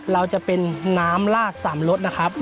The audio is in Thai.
เราจะเป็นน้ำลากสามรสนะครับ